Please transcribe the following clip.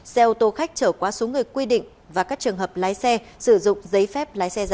xe ô tô khách chở quá xuống người quy định và các trường hợp lái xe sử dụng giấy phép lái xe giả